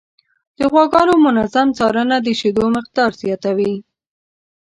د غواګانو منظم څارنه د شیدو مقدار زیاتوي.